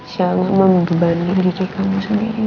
jangan membebani diri kamu sendiri mas